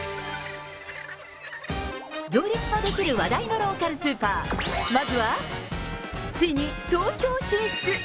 行列のできる話題のローカルスーパー、まずは、ついに東京進出。